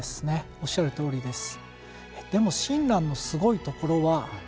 おっしゃるとおりです。